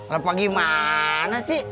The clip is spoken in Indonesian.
lepas gimana sih